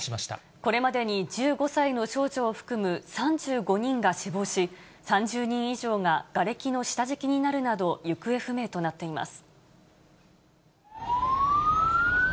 これまでに１５歳の少女を含む３５人が死亡し、３０人以上ががれきの下敷きになるなど、行方不明となっています。